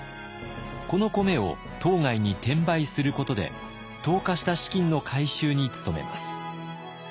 この米を島外に転売することで投下した資金の回収に努めます。